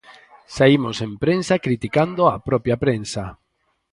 Saímos en prensa criticando a propia prensa.